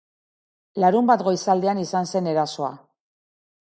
Larunbat goizaldean izan zen erasoa.